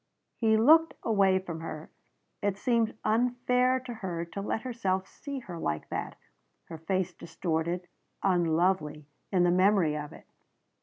He looked away from her. It seemed unfair to her to let himself see her like that her face distorted unlovely in the memory of it.